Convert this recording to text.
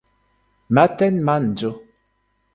matenmanĝo